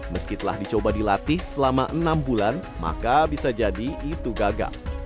meskipun dicoba dilatih selama enam bulan maka bisa jadi itu gagap